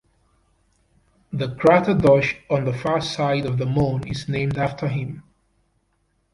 The crater Deutsch on the far side of the Moon is named after him.